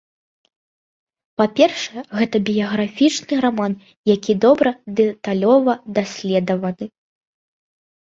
Па-першае, гэта біяграфічны раман, які добра, дэталёва даследаваны.